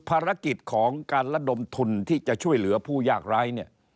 ภารกิจของการระดมทุนที่จะช่วยเหลือผู้ยากร้ายเนี่ย